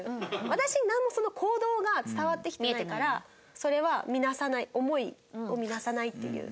私に何もその行動が伝わってきてないからそれは見なさない思いを見なさないっていう。